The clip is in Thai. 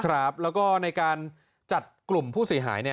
แล้วก็ในการจัดกลุ่มผู้เสียหาย